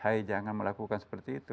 hai jangan melakukan seperti itu